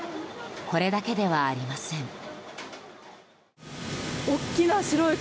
これだけではありません。